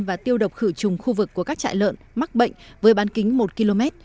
và tiêu độc khử trùng khu vực của các trại lợn mắc bệnh với bán kính một km